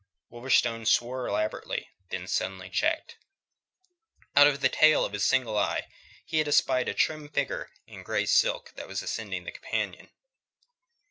Wolverstone swore elaborately, then suddenly checked. Out of the tail of his single eye he had espied a trim figure in grey silk that was ascending the companion.